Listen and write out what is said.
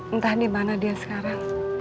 entah dimana dia sekarang